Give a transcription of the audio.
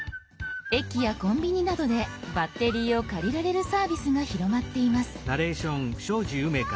駅やコンビニなどでバッテリーを借りられるサービスが広まっています。